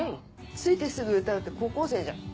着いてすぐ歌うって高校生じゃん。